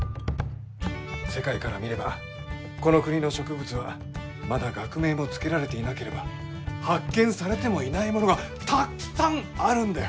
世界から見ればこの国の植物はまだ学名も付けられていなければ発見されてもいないものがたっくさんあるんだよ！